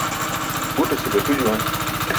Guṭase gaṭu juwan